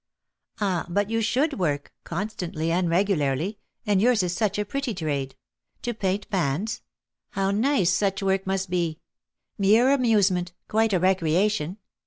"Ah! but you should work, constantly and regularly; and yours is such a pretty trade. To paint fans! how nice such work must be, mere amusement, quite a recreation!